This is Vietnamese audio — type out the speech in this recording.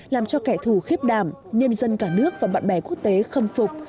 làm cho kẻ thù khiếp đảng nhân dân cả nước và bạn bè quốc tế khâm phục